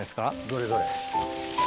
どれどれ？